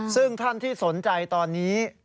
ซึ่งท่านที่สนใจตอนนี้